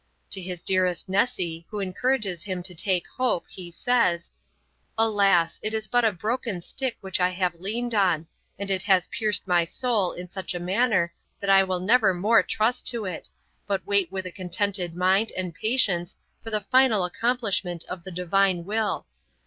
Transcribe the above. To his dearest Nessy, who encourages him to take hope, he says, 'Alas! it is but a broken stick which I have leaned on, and it has pierced my soul in such a manner that I will never more trust to it, but wait with a contented mind and patience for the final accomplishment of the Divine will....